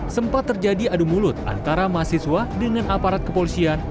sempat terjadi adu mulut antara mahasiswa dengan aparat kepolisian